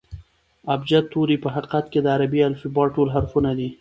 ابجد توري په حقیقت کښي د عربي الفبې ټول حرفونه دي.